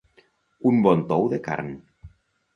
Un bon tou de carn.